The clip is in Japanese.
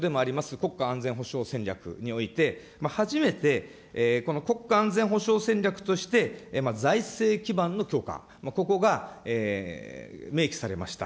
国家安全保障戦略において、初めて国家安全保障戦略として財政基盤の強化、ここが明記されました。